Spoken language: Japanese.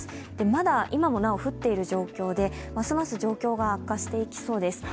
まだ今もなお降っている状況でますます状況が悪化していきそうです。